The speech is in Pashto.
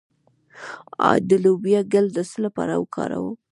د لوبیا ګل د څه لپاره وکاروم؟